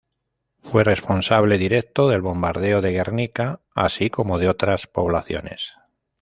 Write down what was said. Fue responsable directo del bombardeo de Guernica, así como de otras poblaciones.